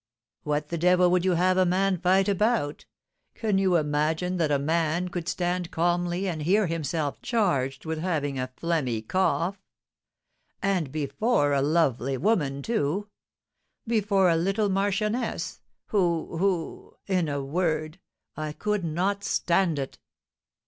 "What the devil would you have a man fight about? Can you imagine that a man could stand calmly and hear himself charged with having a phlegmy cough? And before a lovely woman, too! Before a little marchioness, who who In a word, I could not stand it!"